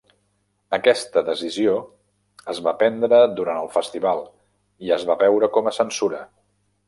Aquesta decisió es va prendre durant el festival, i es va veure com a censura.